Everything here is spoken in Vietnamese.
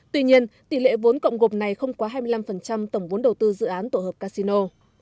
tuy nhiên tỷ lệ vốn cộng gộp này không quá hai mươi năm tổng vốn đầu tư dự án tổ hợp casino